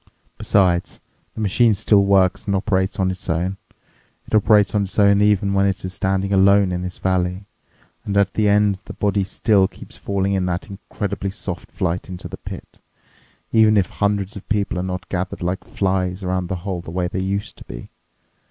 Besides, the machine still works and operates on its own. It operates on its own even when it is standing alone in this valley. And at the end, the body still keeps falling in that incredibly soft flight into the pit, even if hundreds of people are not gathered like flies around the hole the way they used to be.